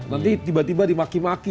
nanti tiba tiba dimaki maki